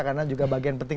karena juga bagian penting